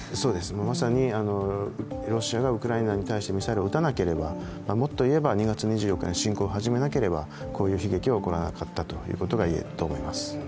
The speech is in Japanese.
まさにロシアがウクライナに対してミサイルを撃たなければもっといえば、２月２４日に侵攻を始めなければこういう悲劇は起こらなかったと言えると思います。